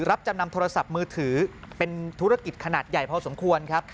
รับจำนำโทรศัพท์มือถือเป็นธุรกิจขนาดใหญ่พอสมควรครับ